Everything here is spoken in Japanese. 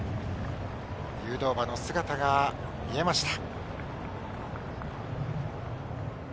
誘導馬の姿が見えました。